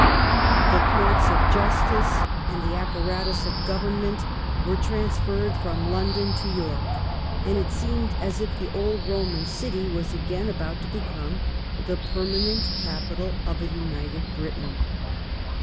The courts of justice and the apparatus of government were transferred from London to York, and it seemed as if the old Roman city was again about to become the permanent capital of a united Britain.